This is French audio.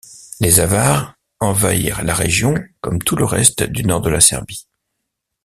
Les Avars envahirent la région, comme tout le reste du nord de la Serbie.